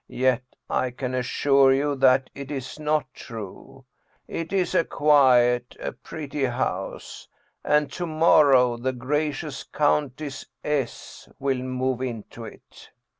Yet I can assure you that it is not true. It is a quiet, a pretty house, and to morrow the gracious Countess S. will move into it.